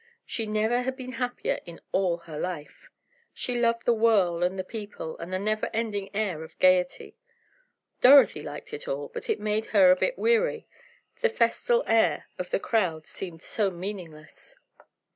She never had been happier in all her life. She loved the whirl and the people, and the never ending air of gaiety. Dorothy liked it all, but it made her a bit weary; the festal air of the crowd did seem so meaningless.